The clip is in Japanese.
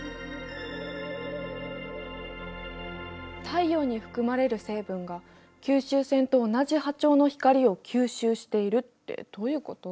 太陽に含まれる成分が吸収線と同じ波長の光を吸収しているってどういうこと？